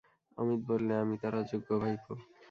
অমিত বললে, আমি তাঁর অযোগ্য ভাইপো।